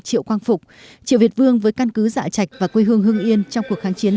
triệu quang phục triệu việt vương với căn cứ dạ chạch và quê hương hưng yên trong cuộc kháng chiến